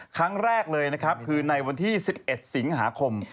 ครั้งแรกเลยนะครับคือในวันที่๑๑สิงหาคม